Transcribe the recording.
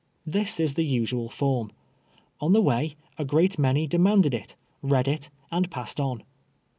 Tliis is the usual form. On the way, a great many demanded it, read it, and passed on.